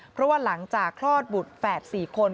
เพราะว่าหลังจากคลอดบุตรแฝด๔คน